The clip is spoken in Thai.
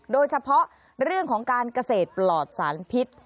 โดยเฉพาะเรื่องของการเกษตรปลอดสารพิษ